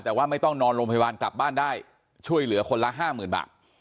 แต่ว่าไม่ต้องนอนโรงพยาบาลกลับบ้านได้ช่วยเหลือคนละห้าหมื่นบาท